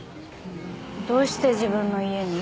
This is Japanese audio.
どうして自分の家に？